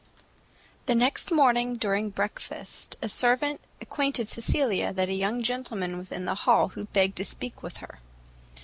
The next morning, during breakfast, a servant acquainted Cecilia that a young gentleman was in the hall, who begged to speak with her.